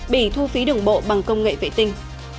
bị thu phí đường bộ bằng công nghệ vệ tinh